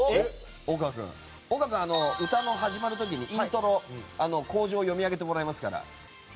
大河君は歌の始まる時にイントロで口上を読み上げてもらいますから。